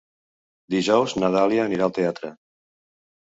Dijous na Dàlia anirà al teatre.